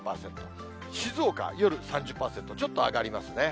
静岡、夜３０％、ちょっと上がりますね。